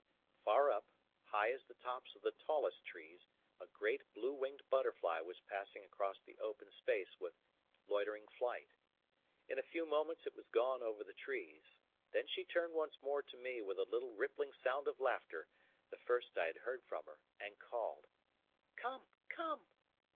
Far up, high as the tops of the tallest trees, a great blue winged butterfly was passing across the open space with loitering flight. In a few moments it was gone over the trees; then she turned once more to me with a little rippling sound of laughter the first I had heard from her, and called: "Come, come!"